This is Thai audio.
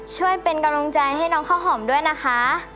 ช่วยเป็นกำลังใจให้น้องข้าวหอมด้วยนะคะ